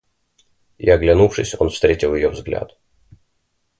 И, оглянувшись, он встретил ее взгляд.